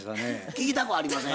聞きたくありません。